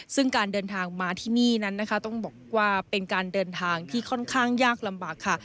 ซึ่งการเดินทางมาที่นี่นั้นนะคะต้องบอกว่าเป็นการเดินทางที่ค่อนข้างยากลำบากค่ะ